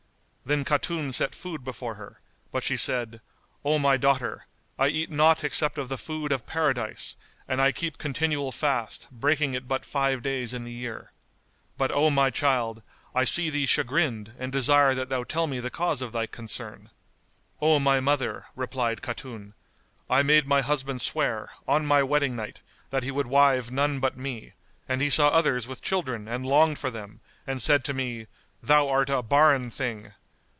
Then Khatun set food before her; but she said, "O my daughter, I eat naught except of the food of Paradise and I keep continual fast breaking it but five days in the year. But, O my child, I see thee chagrined and desire that thou tell me the cause of thy concern." "O my mother," replied Khatun, "I made my husband swear, on my wedding night, that he would wive none but me, and he saw others with children and longed for them and said to me, 'Thou art a barren thing!